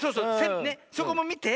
そこもみて。